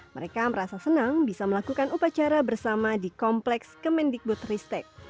mereka merasa senang bisa melakukan upacara bersama di kompleks kemendikbud ristek